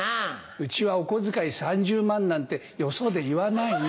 うちはお小遣い３０万なんてよそで言わないの。